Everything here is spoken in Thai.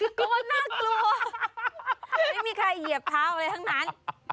กลัวน่ากลัวไม่มีใครเหยียบเท้าอะไรทั้งนั้น